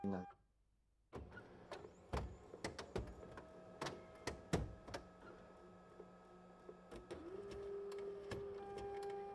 uhakika kuwa hatari ya ‘Simba’ haikuwa inawakodolea macho tena